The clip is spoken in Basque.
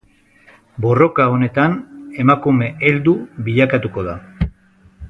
Borroka honetan emakume heldu bilakatuko da.